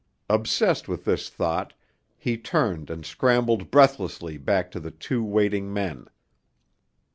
Obsessed with this thought he turned and scrambled breathlessly back to the two waiting men.